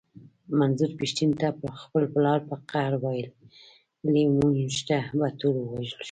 منظور پښتين ته خپل پلار په قهر ويلي و مونږ به ټول ووژل شو.